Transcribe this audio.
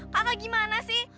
kakak gimana sih